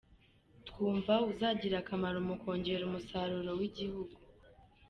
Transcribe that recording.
Twumva uzagira akamaro mu kongera umusaruro w’igihugu.